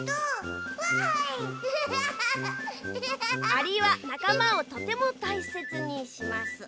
「アリはなかまをとてもたいせつにします」。